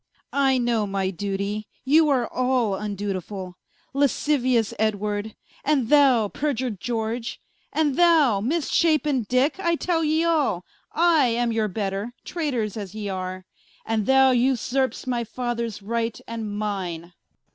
I know my dutie, you are all vndutifull: Lasciuious Edward, and thou periur'd George, And thou mis shapen Dicke, I tell ye all, I am your better, Traytors as ye are, And thou vsurp'st my Fathers right and mine Edw.